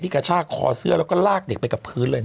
กระชากคอเสื้อแล้วก็ลากเด็กไปกับพื้นเลยนะ